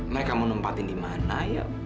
mereka mau nempatin di mana ya